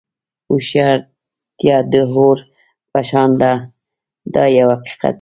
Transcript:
هوښیارتیا د اور په شان ده دا یو حقیقت دی.